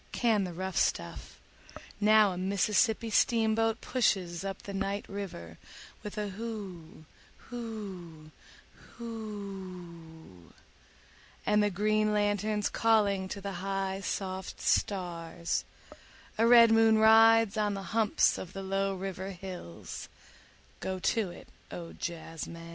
Can the rough stuff … now a Mississippi steamboat pushes up the night river with a hoo hoo hoo oo … and the green lanterns calling to the high soft stars … a red moon rides on the humps of the low river hills … go to it, O jazzmen.